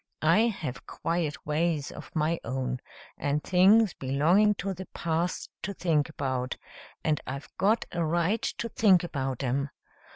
I have quiet ways of my own, and things belonging to the past to think about, and I've got a right to think about 'em.